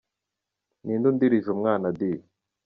Ninde undirije umwana di?